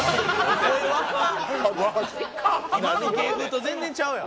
今の芸風と全然ちゃうやん。